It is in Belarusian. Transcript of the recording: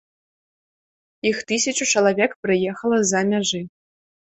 Іх тысячу чалавек прыехала з-за мяжы.